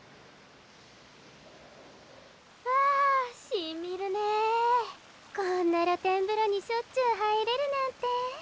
はぁしみるね。こんな露天風呂にしょっちゅう入れるなんて。